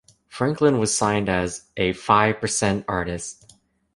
Franklin was signed as a "five-percent artist".